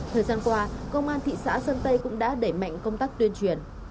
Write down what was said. thời gian qua công an thị xã sơn tây cũng đã đẩy mạnh công tác tuyên truyền